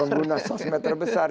pengguna sosmed terbesar